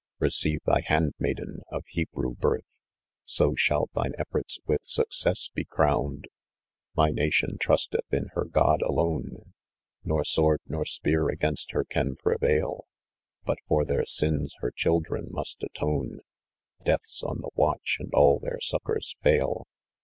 Receive thy handmaiden, of Hebrew birth, So shall thine efforts with success Decrowned " My nation trusteth in her God alone, Nor sword nor spear against her can prevaij, But for their sins her children must atone, Death's on the watch and all their succours fail.